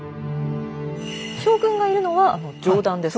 将軍がいるのは上段ですか？